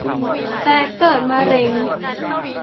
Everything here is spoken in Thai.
และเกิดมะเร็ง